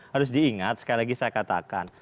harus diingat sekali lagi saya katakan